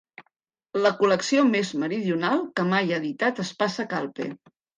La col·lecció més meridional que mai ha editat Espasa Calpe.